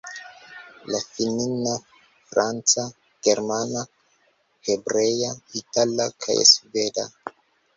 la finna, franca, germana, hebrea, itala kaj sveda.